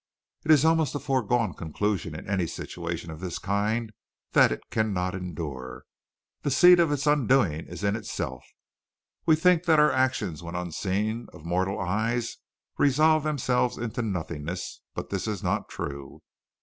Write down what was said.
It is almost a foregone conclusion in any situation of this kind that it cannot endure. The seed of its undoing is in itself. We think that our actions when unseen of mortal eyes resolve themselves into nothingness, but this is not true.